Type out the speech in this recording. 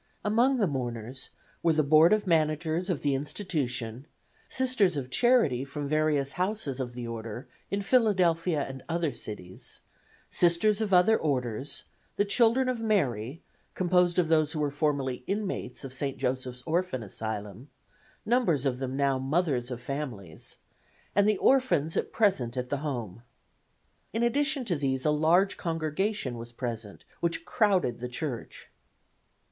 Among the mourners were the Board of Managers of the institution, Sisters of Charity from various houses of the order in Philadelphia and other cities, Sisters of other orders, the Children of Mary, composed of those who were formerly inmates of St. Joseph's Orphan Asylum, numbers of them now mothers of families, and the orphans at present at the home. In addition to these a large congregation was present, which crowded the church.